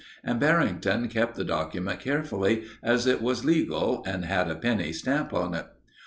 And Barrington kept the document carefully, as it was legal, and had a penny stamp on it.